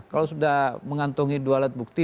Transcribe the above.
kalau sudah mengantongi dua alat bukti